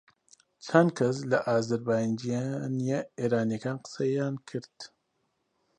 چەند کەس لە ئازەربایجانییە ئێرانییەکان قسەیان کرد